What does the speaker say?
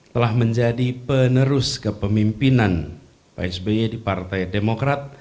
telah menjadi penerus kepemimpinan pak sby di partai demokrat